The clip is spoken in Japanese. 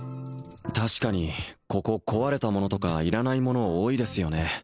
確かにここ壊れたものとかいらないもの多いですよね